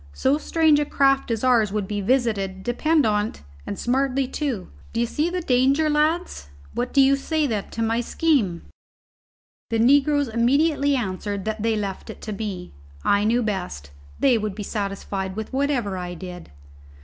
So strange a craft as ours would be visited, depend on't, and smartly, too. D'ye see the danger, lads? What do you say, then, to my scheme?" The negroes immediately answered that they left it to me; I knew best; they would be satisfied with whatever I did.